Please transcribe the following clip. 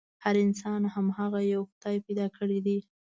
هر انسان هماغه يوه خدای پيدا کړی دی.